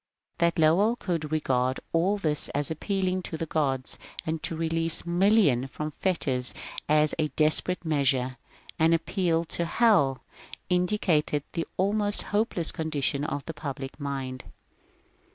That Lowell could re gard all this as appealing to the gods, and to release millions from fetters as a ^^ desperate measure," an appeal to ^' Hell,'' indicated the almost hopeless condition of the public mind.